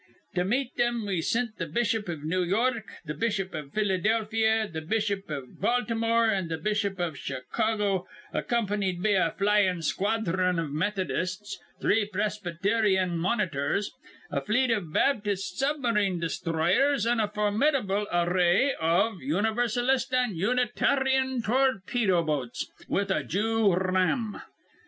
To meet thim, we sint th' bishop iv New York, th' bishop iv Philadelphia, th' bishop iv Baltimore, an' th' bishop iv Chicago, accompanied be a flyin' squadhron iv Methodists, three Presbyteryan monitors, a fleet iv Baptist submarine desthroyers, an' a formidable array iv Universalist an' Unitaryan torpedo boats, with a Jew r ram.